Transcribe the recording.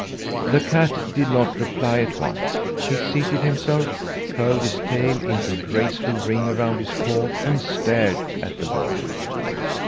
The cat did not reply at once. He seated himself, curled his tail into a graceful ring around his paws and stared at the boy.